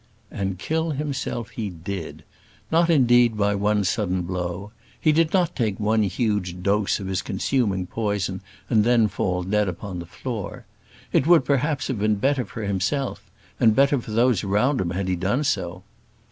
And kill himself he did. Not indeed by one sudden blow. He did not take one huge dose of his consuming poison and then fall dead upon the floor. It would perhaps have been better for himself, and better for those around him, had he done so.